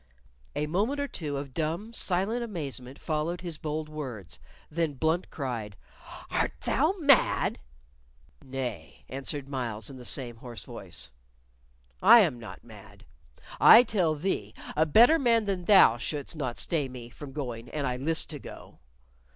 A moment or two of dumb, silent amazement followed his bold words; then Blunt cried, "Art thou mad?" "Nay," answered Myles in the same hoarse voice, "I am not mad. I tell thee a better man than thou shouldst not stay me from going an I list to go.